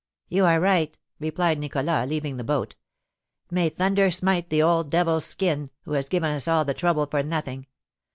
"You are right," replied Nicholas, leaving the boat. "May thunder smite the old devil's kin, who has given us all the trouble for nothing!